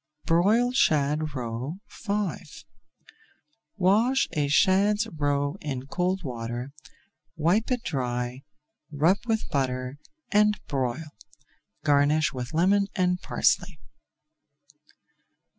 BROILED SHAD ROE V Wash a shad's roe in cold water, wipe it dry, rub with butter, and broil. Garnish with lemon and parsley.